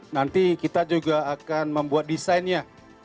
nanti kita juga akan membuat desainnya